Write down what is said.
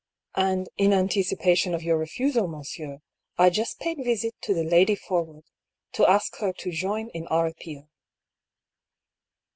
" And, in anticipation of your refusal, monsieur, I just paid visit to the Lady Forwood, to ask her to join in our appeal."